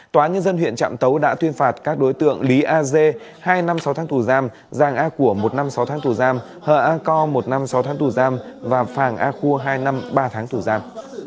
tòa nhân dân huyện trạm tấu đã tuyên phạt các đối tượng lý a dê hai năm sáu tháng tù giam giàng a của một năm sáu tháng tù giam hờ a co một năm sáu tháng tù giam và phàng a khua hai năm ba tháng tù giam